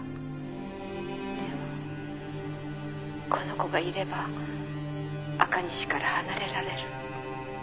「でもこの子がいれば赤西から離れられる」